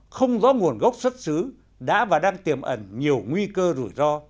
không rõ nguồn gốc xuất xứ đã và đang tiềm ẩn nhiều nguy cơ rủi ro